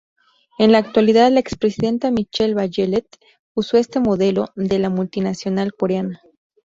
En la actualidad la expresidenta Michelle Bachelet usó este modelo de la multinacional coreana.